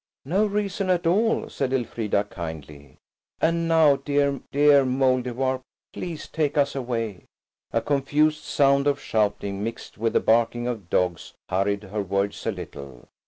"No reason at all," said Elfrida kindly; "and now, dear, dear Mouldiwarp, please take us away." A confused sound of shouting mixed with the barking of dogs hurried her words a little.